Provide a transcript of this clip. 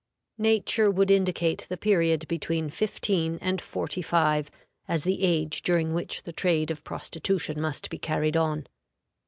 Nature would indicate the period between 15 and 45 as the age during which the trade of prostitution must be carried on.